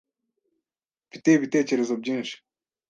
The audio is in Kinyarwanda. Mfite ibitekerezo byinshi.